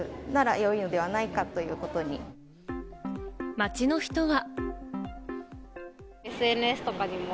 街の人は。